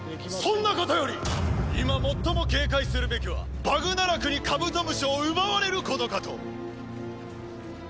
そんなことより今最も警戒するべきはバグナラクにカブトムシを奪われることかと！